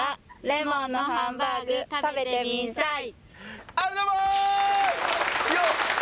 「レモンのハンバーグ食べてみんさい！」